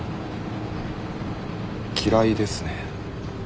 嫌いですね。